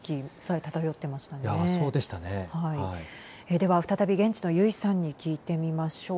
では再び現地の油井さんに聞いてみましょう。